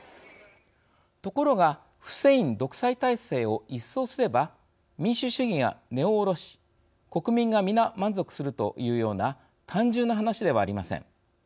ところがフセイン独裁体制を一掃すれば民主主義が根を下ろし国民が皆、満足するというような単純な話ではありません。